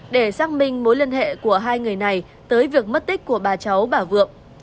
để xác minh mối liên hệ của hai người này tới việc mất tích của bà cháu bà vượng